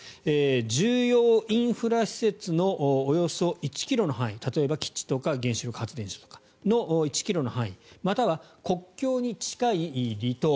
重要インフラ施設のおよそ１ｋｍの範囲例えば基地とか原子力発電所とかの１ｋｍの範囲または国境に近い離島